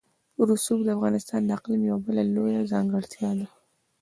رسوب د افغانستان د اقلیم یوه بله لویه ځانګړتیا ده.